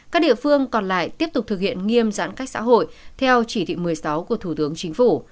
các địa phương còn lại tiếp tục thực hiện nghiêm giãn cách xã hội theo chỉ thị một mươi sáu của thủ tướng chính phủ